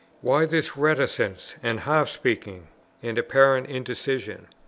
Why this reticence, and half speaking, and apparent indecision?